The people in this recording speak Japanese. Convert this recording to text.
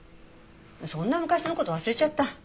そんな昔の事忘れちゃった。